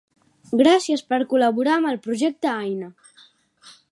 Gràcies per col·laborar amb el projecte Aina!